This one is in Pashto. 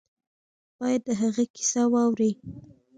باید د هغه کیسه واوري.